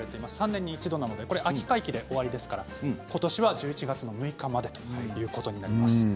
３年に一度で秋会期で終わりですから今年は１１月の６日までということになります。